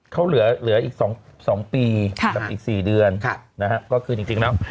เขาเหลืออีก๒ปีกับอีก๔เดือนนะฮะก็คือจริงแล้ว